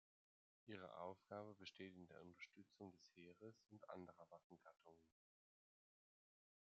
Ihre Aufgabe besteht in der Unterstützung des Heeres und anderer Waffengattungen.